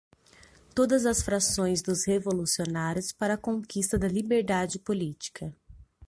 todas as frações dos revolucionários para a conquista da liberdade política